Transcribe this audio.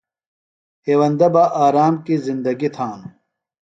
ہیوندہ بہ سوۡ آرام کیۡ زندگی تھانوۡ۔